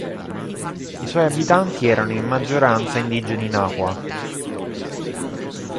I suoi abitanti erano in maggioranza indigeni nahua.